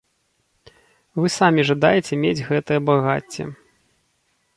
Вы самі жадаеце мець гэтае багацце.